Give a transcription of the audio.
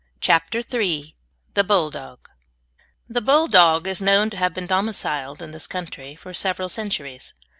CHAPTER III THE BULLDOG The Bulldog is known to have been domiciled in this country for several centuries.